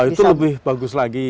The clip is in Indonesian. itu lebih bagus lagi